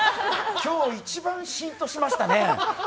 今日一番シンとしましたね。